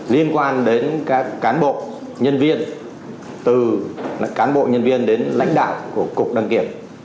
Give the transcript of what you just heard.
liên quan đến các cán bộ nhân viên từ cán bộ nhân viên đến lãnh đạo của cục đăng kiểm